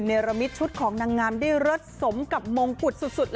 เนรมิตชุดของนางงามได้เลิศสมกับมงกุฎสุดเลยแหละค่ะ